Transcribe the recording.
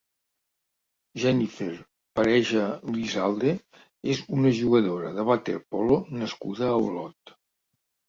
Jennifer Pareja Lisalde és una jugadora de waterpolo nascuda a Olot.